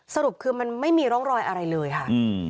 สรุปคือมันไม่มีร่องรอยอะไรเลยค่ะ